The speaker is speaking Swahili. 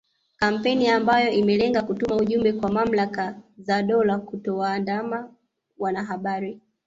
Kampeni ambayo imelenga kutuma ujumbe kwa mamlaka za dola kutowaandama wanahabari